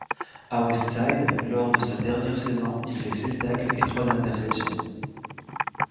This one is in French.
À Westside, lors de sa dernière saison, il fait seize tacles et trois interceptions.